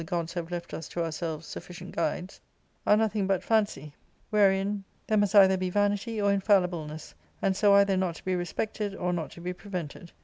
gods have left us to ourselves sufficient guides, are z2 ARCADIA.—Book /. nothing but fancy, wherein there must either be vanity or infalliblenes§, and so either not to be respected or not to be ! prevented.